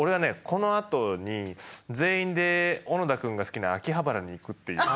このあとに全員で小野田くんが好きな秋葉原に行くっていう。